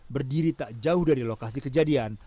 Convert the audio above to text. berdiri tak jauh dari lokasi kejadian